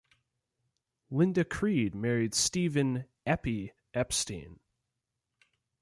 Linda Creed married Stephen "Eppy" Epstein.